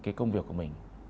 cái công việc của mình